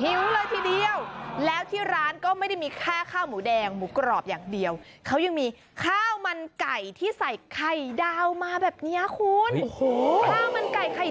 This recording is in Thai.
หิวเลยทีเดียวแล้วที่ร้านก็ไม่ได้มีแค่ข้าวหมูแดงหมูกรอบอย่างเดียวเขายังมีข้าวมันไก่ที่ใส่ไข่ดาวมาแบบเนี้ยคุณโอ้โหข้าวมันไก่ไข่